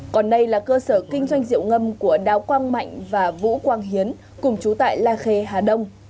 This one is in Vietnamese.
cơ sở kinh doanh rượu ngâm của đáo quang mạnh và vũ quang hiến